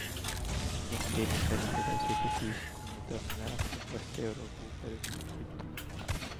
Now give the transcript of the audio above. Ning teenib hästi edasi ka siis, kui me ta mõne aasta pärast euro kuube rüütame.